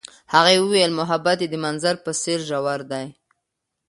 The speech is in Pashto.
هغې وویل محبت یې د منظر په څېر ژور دی.